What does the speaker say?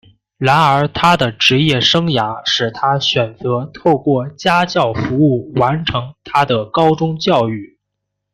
然而他的职业生涯使他选择透过家教服务完成他的高中教育。